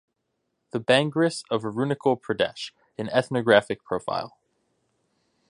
The Bangrus of Arunachal Pradesh: An Ethnographic Profile.